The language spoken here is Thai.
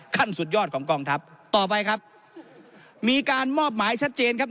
ขั้นสุดยอดของกองทัพต่อไปครับมีการมอบหมายชัดเจนครับ